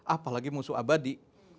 apalagi musuh abadi